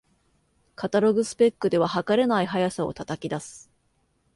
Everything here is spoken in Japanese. カタログスペックでは、はかれない速さを叩き出す